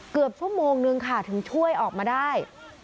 เกือบชั่วโมงนึงค่ะถึงช่วยออกมาได้